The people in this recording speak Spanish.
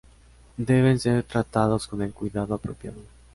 Deben ser tratados con el cuidado apropiado.